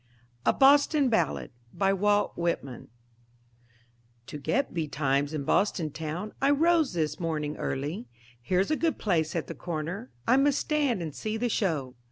A BOSTON BALLAD BY WALT WHITMAN To get betimes in Boston town, I rose this morning early; Here's a good place at the corner I must stand and see the show.